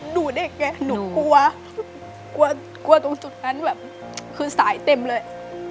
หนูเด็กไงหนูกลัวกลัวตรงจุดนั้นแบบคือสายเต็มเลย